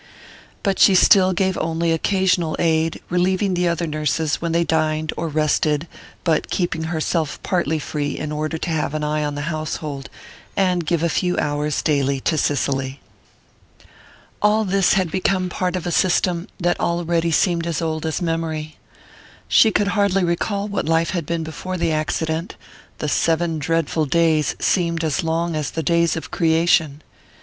But she still gave only occasional aid, relieving the other nurses when they dined or rested, but keeping herself partly free in order to have an eye on the household, and give a few hours daily to Cicely. All this had become part of a system that already seemed as old as memory. She could hardly recall what life had been before the accident the seven dreadful days seemed as long as the days of creation.